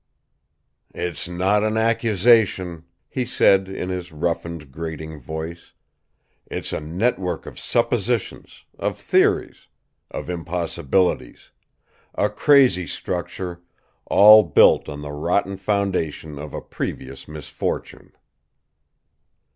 "It's not an accusation," he said in his roughened, grating voice. "It's a network of suppositions, of theories, of impossibilities a crazy structure, all built on the rotten foundation of a previous misfortune."